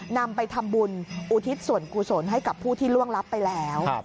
นำไปทำบุญอุทิศส่วนกุศลให้กับผู้ที่ล่วงลับไปแล้ว